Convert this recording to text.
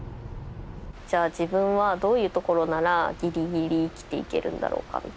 じゃあ自分はどういうところならギリギリ生きていけるんだろうか？